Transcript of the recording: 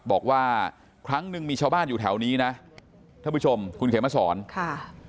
บอกว่าครั้งหนึ่งมีชาวบ้านอยู่แถวนี้นะท่านผู้ชมคุณเขมสอนค่ะ